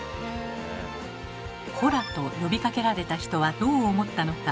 「コラ」と呼びかけられた人はどう思ったのか？